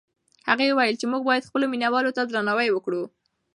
هغه وویل چې موږ باید خپلو مینه والو ته درناوی وکړو.